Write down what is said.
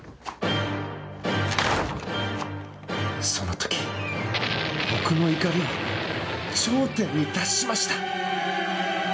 その時、僕の怒りは頂点に達しました。